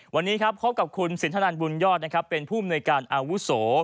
วันนี้ครับพบกับคุณสินทนันบุญยอดนะครับเป็นผู้อำนวยการอาวุโส